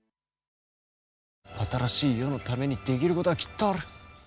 新しい世のためにできることはきっとある。